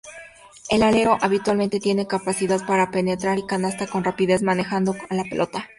El alero habitualmente tiene capacidad para penetrar a canasta con rapidez manejando la pelota.